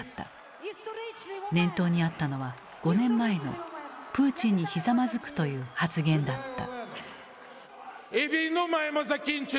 念頭にあったのは５年前のプーチンにひざまずくという発言だった。